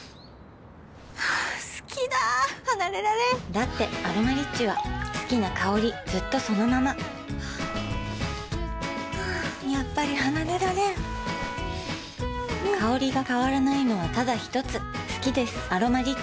好きだ離れられんだって「アロマリッチ」は好きな香りずっとそのままやっぱり離れられん香りが変わらないのはただひとつ好きです「アロマリッチ」